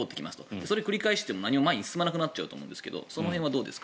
それを繰り返しても何も前に進まないと思うんですがその辺はどうですか？